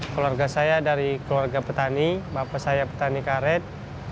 keluarga saya dari keluarga petani bapak saya petani karet